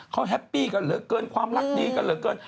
เขาแฮปปี้กันเหลือเกินความรักดีกันเหลือเกิน